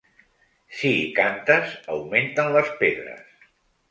Si hi cantes augmenten les pedres.